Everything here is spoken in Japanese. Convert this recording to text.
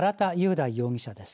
大容疑者です。